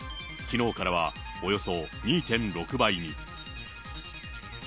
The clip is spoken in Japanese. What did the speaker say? きのうからはおよそ２．６倍に。